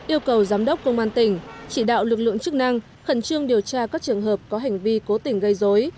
yêu cầu giám đốc công an tỉnh chỉ đạo lực lượng chức năng khẩn trương điều tra các trường hợp có hành vi cố tình gây dối